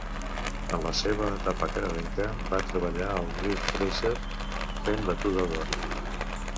En la seva etapa canadenca, va treballar al riu Fraser fent batuda d'or.